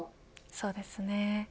そうですね。